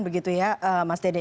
begitu ya mas dede